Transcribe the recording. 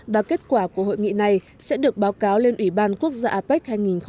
và kết quả của hội nghị này sẽ được báo cáo lên ủy ban quốc gia apec hai nghìn hai mươi